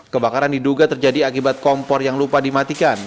kebakaran diduga terjadi akibat kompor yang lupa dimatikan